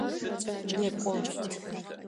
Некӏо!